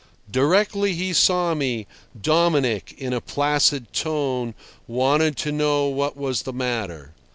Directly he saw me, Dominic, in a placid tone, wanted to know what was the matter.